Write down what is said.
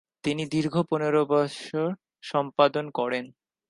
তিনি দীর্ঘ পনের বৎসর সম্পাদনা করেন।